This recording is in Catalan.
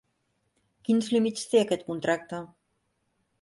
Quins límits té aquest contracte?